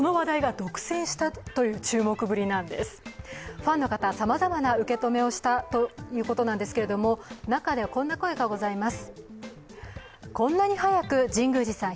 ファンの方、さまざまな受け止めをしたということなんですけれども、中でもこんな声がございます。